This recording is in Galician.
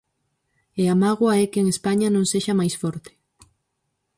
E a mágoa é que España non sexa máis forte.